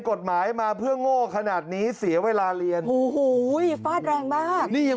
กฎหมายมาเพื่อโง่ขนาดนี้เสียเวลาเรียนโอ้โหฟาดแรงมากนี่ยัง